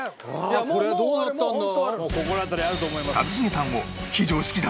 これはどうなったんだ？